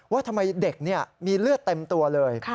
ว่าทำไมเด็กมีเลือดเต็มตัวเลย